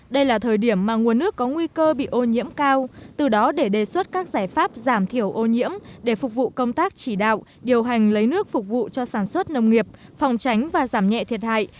đây là thời điểm mà nguồn nước có nguy cơ bị ô nhiễm cao từ đó để đề xuất các giải pháp giảm thiểu ô nhiễm để phục vụ công tác chỉ đạo điều hành lấy nước phục vụ cho sản xuất nông nghiệp phòng tránh và giảm nhẹ thiệt hại